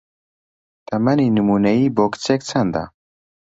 تەمەنی نموونەیی بۆ کچێک چەندە؟